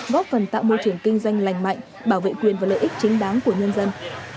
góp phần tạo môi trường kinh doanh lành mạnh bảo vệ quyền và lợi ích chính đáng của nhân dân